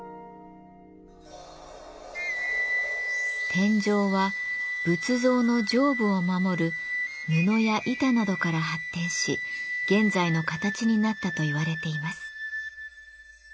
天井は仏像の上部を守る布や板などから発展し現在の形になったといわれています。